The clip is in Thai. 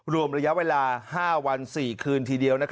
รวมระยะเวลา๕วัน๔คืนทีเดียว